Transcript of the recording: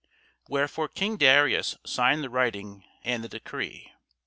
Wherefore King Darius signed the writing and the decree.